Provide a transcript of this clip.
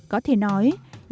có thể nói